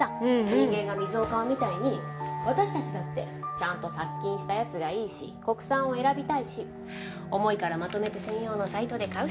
人間が水を買うみたいに私たちだってちゃんと殺菌したやつがいいし国産を選びたいし重いからまとめて専用のサイトで買うし。